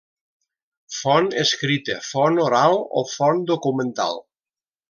Font escrita, Font oral o Font documental.